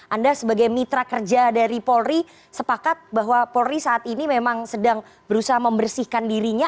anda sebagai mitra kerja dari polri sepakat bahwa polri saat ini memang sedang berusaha membersihkan dirinya